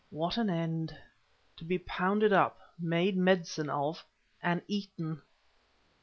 What an end! To be pounded up, made medicine of, and eaten!